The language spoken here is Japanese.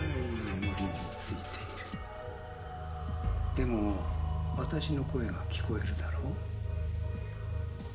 「でもわたしの声が聞こえるだろ？」